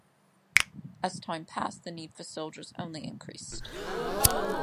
As time passed, the need for soldiers only increased.